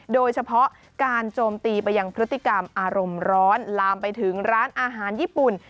โดยเฉพาะการโจมตีไปยังพฤติกรรมอารมณ์ร้อนลามไปถึงร้านอาหารญี่ปุ่น